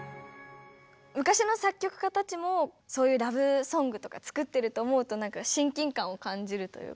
昔の作曲家たちもそういうラブソングとか作ってると思うとなんか親近感を感じるというか。